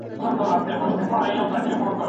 چې د ګران شفیق مرید